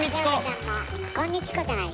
「こんにチコ」じゃない。